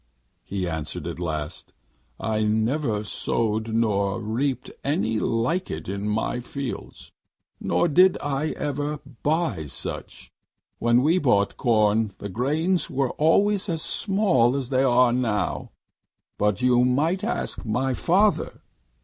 he answered at last, 'I never sowed nor reaped any like it in my fields, nor did I ever buy any such. When we bought corn, the grains were always as small as they are now. But you might ask my father.